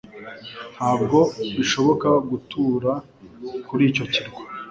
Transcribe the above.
Ntabwo bishoboka gutura kuri icyo kirwa